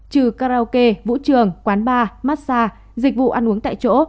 trừ karaoke vũ trường quán bar massage dịch vụ ăn uống tại chỗ